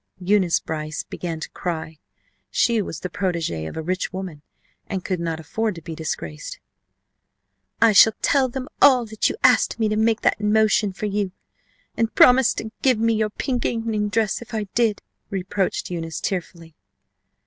Eunice Brice began to cry. She was the protégée of a rich woman and could not afford to be disgraced. "I shall tell them all that you asked me to make that motion for you and promised to give me your pink evening dress if I did," reproached Eunice tearfully.